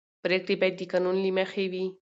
پرېکړې باید د قانون له مخې وي